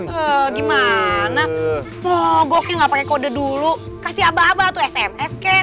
ya gimana mogoknya nggak pake kode dulu kasih abah abah atau sms kek